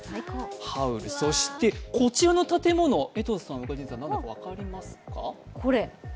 ハウル、そしてこちらの建物、何だか分かりますか？